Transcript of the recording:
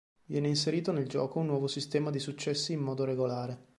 Viene inserito nel gioco un nuovo sistema di successi in modo regolare.